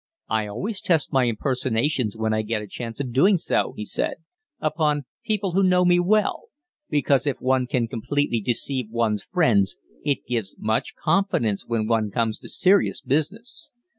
"I always test my 'impersonations' when I get a chance of doing so," he said, "upon people who know me well, because if one can completely deceive one's friends it gives much confidence when one comes to serious business.